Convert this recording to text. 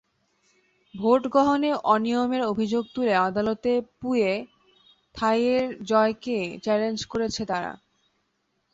ভোটগ্রহণে অনিয়মের অভিযোগ তুলে আদালতে পুয়ে থাইয়ের জয়কে চ্যালেঞ্জ করেছে তারা।